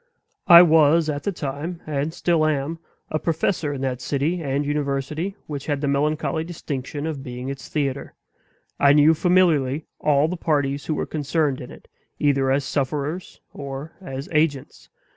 I was at the time, and still am, a professor in that city and university which had the melancholy distinction of being its theater. I knew familiarly all the parties who were concerned in it, either as sufferers or as agents.